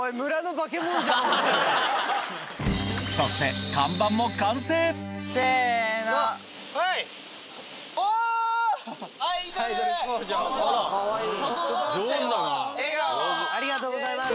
そしてありがとうございます。